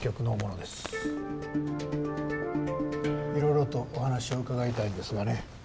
いろいろとお話を伺いたいんですがね